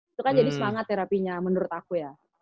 itu kan jadi semangat terapinya menurut aku ya